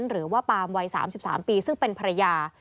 หรือว่าปามวัย๓๓ปีซึ่งเป็นภรรยา